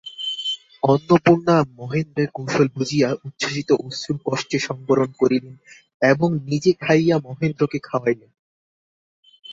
অন্নপূর্ণা মহেন্দ্রের কৌশল বুঝিয়া উচ্ছ্বসিত অশ্রু কষ্টে সংবরণ করিলেন এবং নিজে খাইয়া মহেন্দ্রকে খাওয়াইলেন।